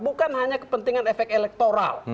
bukan hanya kepentingan efek elektoral